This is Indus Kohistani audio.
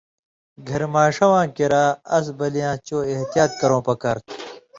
گھریۡماݜہ واں کریا اس بلی یاں چو احتیاط کرؤں پکار تُھو